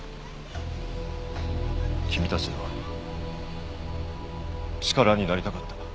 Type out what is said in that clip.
君たちの力になりたかった。